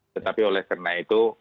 tetapi oleh karena itu